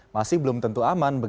masih belum tentu aman